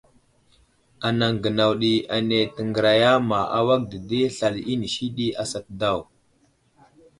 Anaŋ gənaw ɗi ane təŋgəriya ma awak dedi slal inisi ɗi asat daw.